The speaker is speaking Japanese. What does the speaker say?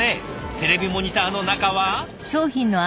テレビモニターの中は。